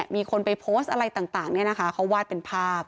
มีคนไปโพสต์อะไรต่างเขาวาดเป็นภาพ